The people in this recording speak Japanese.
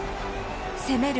攻める